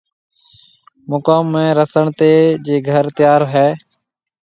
مڪوم ۾ رسڻ تيَ جي گھر تيار ھيََََ